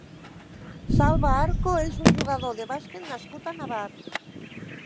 Salva Arco és un jugador de bàsquet nascut a Navars.